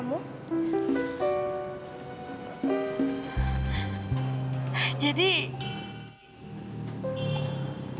aku mau jalan